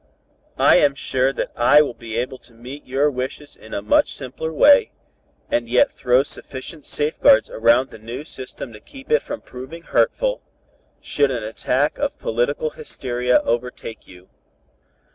"I am sure that I shall be able to meet your wishes in a much simpler way, and yet throw sufficient safeguards around the new system to keep it from proving hurtful, should an attack of political hysteria overtake you.